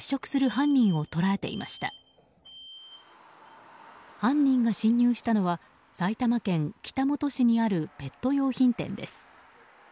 犯人が侵入したのは埼玉県北本市にあるペット用品店です。